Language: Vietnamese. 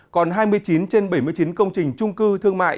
còn hai mươi chín trên bảy mươi chín công trình trung cư thương mại